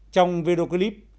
trong video clip